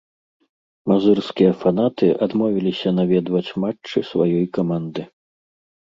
Мазырскія фанаты адмовіліся наведваць матчы сваёй каманды.